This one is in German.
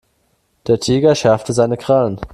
Der Tiger schärfte seine Krallen.